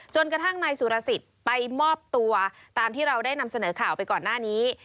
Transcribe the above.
กระทั่งนายสุรสิทธิ์ไปมอบตัวตามที่เราได้นำเสนอข่าวไปก่อนหน้านี้